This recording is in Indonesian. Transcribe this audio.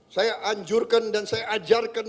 saya anjurkan dan saya ajarkan